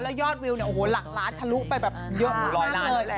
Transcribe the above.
แล้วยอดวิวลากราศทะลุไปแบบเกินมากเลย